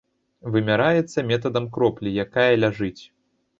Вымяраецца метадам кроплі, якая ляжыць.